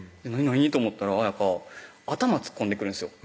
なに？と思ったら彩圭頭突っ込んでくるんですよ